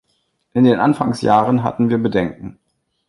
In den Anfangsjahren hatten wir Bedenken.